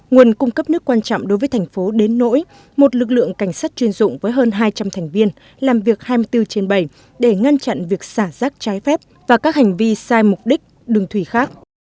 nguồn cung cấp nước quan trọng đối với thành phố đến nỗi một lực lượng cảnh sát chuyên dụng với hơn hai trăm linh thành viên làm việc hai mươi bốn trên bảy để ngăn chặn việc xả rác trái phép và các hành vi sai mục đích đường thủy khác